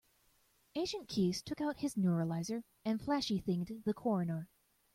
Agent Keys took out his neuralizer and flashy-thinged the coroner.